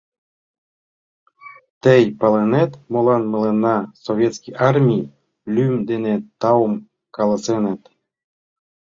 — Тый палынет, молан мыланна Советский Армий лӱм дене таум каласеныт.